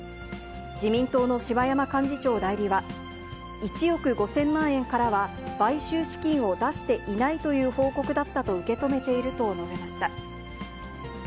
自民党の柴山幹事長代理は、１億５０００万円からは買収資金を出していないという報告だったと受け止めていると述べました。